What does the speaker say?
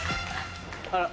あら？